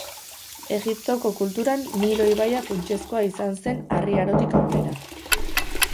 Egiptoko kulturan Nilo ibaia funtsezkoa izan zen Harri Arotik aurrera.